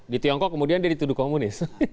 di tiongkok kemudian dia dituduh komunis